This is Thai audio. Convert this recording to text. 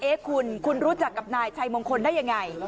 คุณคุณรู้จักกับนายชัยมงคลได้ยังไง